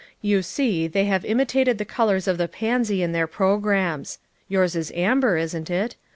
You see they have imi tated the colors of the pansy in their programs — yours is amber, isn't it?